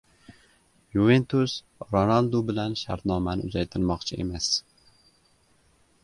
"Yuventus" Ronaldu bilan shartnomani uzaytirmoqchi emas